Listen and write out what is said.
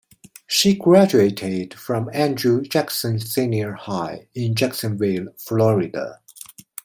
She graduated from Andrew Jackson Senior High in Jacksonville, Florida.